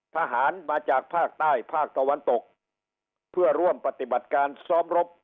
ทหารมาจากภาคใต้ภาคตะวันตกเพื่อร่วมปฏิบัติการซ้อมรบ